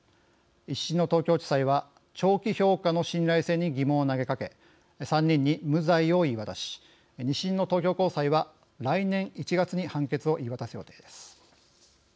１審の東京地裁は長期評価の信頼性に疑問を投げかけ３人に無罪を言い渡し２審の東京高裁は来年１月に判決を言い渡す予定です。